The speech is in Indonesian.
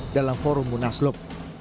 dalam forum munaslup